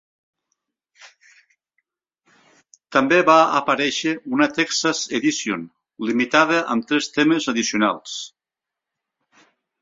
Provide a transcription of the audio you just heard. També va aparèixer una "Texas Edition" limitada amb tres temes addicionals.